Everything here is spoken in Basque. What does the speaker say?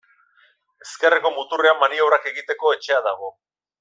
Ezkerreko muturrean maniobrak egiteko etxea dago.